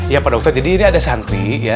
iya pak dokter jadi ini ada santri